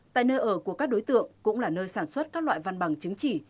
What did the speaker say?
tại nơi ở của các đối tượng cũng là nơi sản xuất các loại văn bằng chứng chỉ